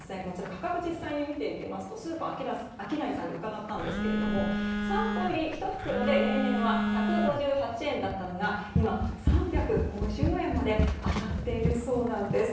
価格実際に見ていきますとスーパーアキダイさんに伺ったんですけども３個入り１袋で例年は１５８円だったのが今、３５０円まで上がっているそうなんです。